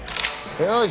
よし。